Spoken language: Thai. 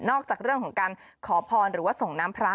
จากเรื่องของการขอพรหรือว่าส่งน้ำพระ